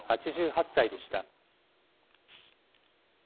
８８歳でした。